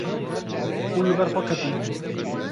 Hûn li ber xwe ketin.